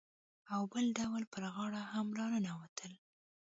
او بل ډول پر غاړه هم راننوتل.